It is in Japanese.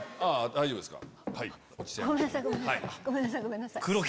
大丈夫ですか？